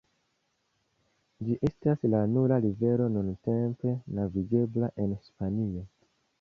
Ĝi estas la nura rivero nuntempe navigebla en Hispanio.